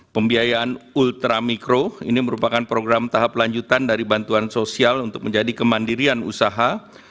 pembiayaan ultramikro ini merupakan program tahap lanjutan dari bantuan sosial untuk menjadi kemandirian usaha